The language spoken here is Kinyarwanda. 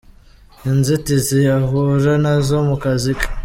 Inzitizi ahura nazo mu kazi ke.